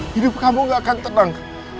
hidup kamu gak akan tenang